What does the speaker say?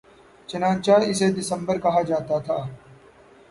چنانچہ اسے دسمبر کہا جاتا تھا